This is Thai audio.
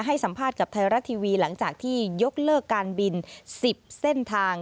ให้สัมภาษณ์กับไทยรัฐทีวีหลังจากที่ยกเลิกการบิน๑๐เส้นทาง